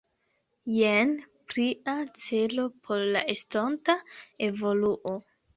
Jen plia celo por la estonta evoluo!